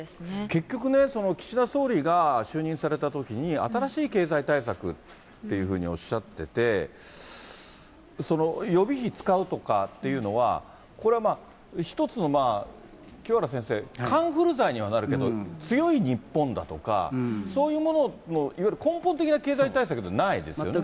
結局ね、岸田総理が就任されたときに、新しい経済対策っていうふうにおっしゃってて、その予備費使うとかっていうのは、これは一つの、清原先生、カンフル剤にはなるけど、強い日本だとか、そういうもののいわゆる根本的な経済対策ではないですよね。